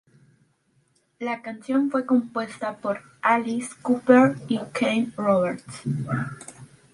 La canción fue compuesta por Alice Cooper y Kane Roberts.